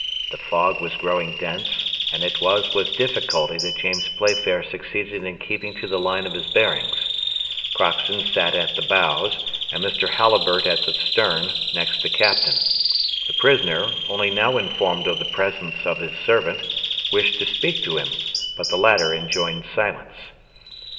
The fog was growing dense, and it was with difficulty that James Playfair succeeded in keeping to the line of his bearings. Crockston sat at the bows, and Mr. Halliburtt at the stern, next the Captain. The prisoner, only now informed of the presence of his servant, wished to speak to him, but the latter enjoined silence.